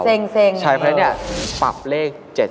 เซ็งอย่างนี้ใช่เพราะฉะนั้นแหละปรับเลข๗๔๘